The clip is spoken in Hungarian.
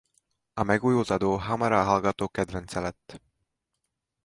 A megújult adó hamar a hallgatók kedvence lett.